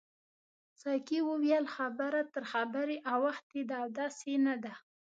ساقي وویل خبره تر خبرې اوښتې ده او داسې نه ده.